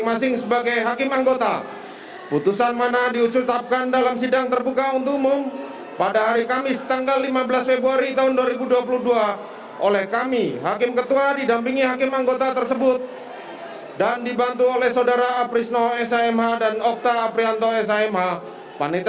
menetapkan terdakwa sebagai saksi